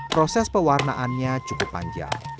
proses pewarnaannya cukup panjang